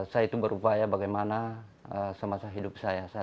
saya itu berupaya bagaimana semasa hidup saya